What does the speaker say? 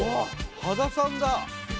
羽田さんだ！